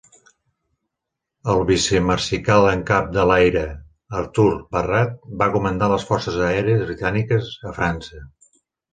El Vicemarsical en Cap de l'Aire Arthur Barratt va comandar les forces aèries britàniques a França.